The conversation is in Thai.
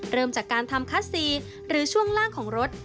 เริ่มจากการทำคัสซีหรือช่วงล่างของรถ